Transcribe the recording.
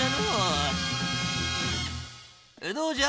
どうじゃ？